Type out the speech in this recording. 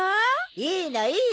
いいのいいの。